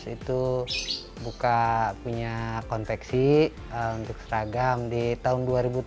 itu buka punya konveksi untuk seragam di tahun dua ribu tujuh belas